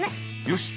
よし！